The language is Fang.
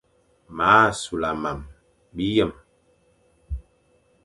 M a sula mam, biyem,